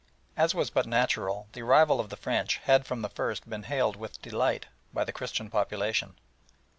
As was but natural, the arrival of the French had from the first been hailed with delight by the Christian population.